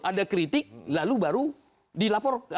ada kritik lalu baru dilaporkan